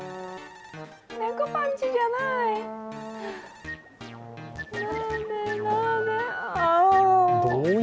猫パンチじゃない。